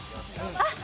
あっ！